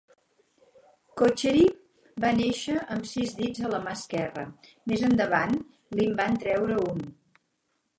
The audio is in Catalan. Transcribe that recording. Cotchery va néixer amb sis dits a la mà esquerra; més endavant li'n van treure un.